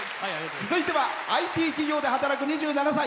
続いては、ＩＴ企業で働く２７歳。